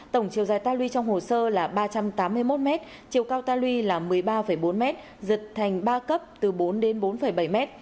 tổng chiều dài ta luy trong hồ sơ là ba trăm tám mươi một m chiều cao ta luy là một mươi ba bốn m giật thành ba cấp từ bốn đến bốn bảy m